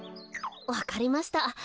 わかりました。